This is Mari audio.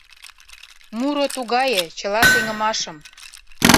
Муро тугае — чыла сеҥымашым